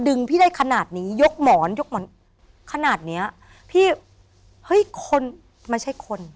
พี่ได้ขนาดนี้ยกหมอนยกหมอนขนาดเนี้ยพี่เฮ้ยคนไม่ใช่คน